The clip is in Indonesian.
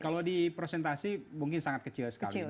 kalau di prosentasi mungkin sangat kecil sekali